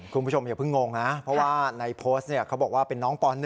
คุณผู้ชมอย่าเพิ่งงงนะเพราะว่าในโพสต์เขาบอกว่าเป็นน้องป๑